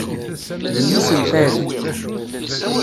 D mmi-s n Paris.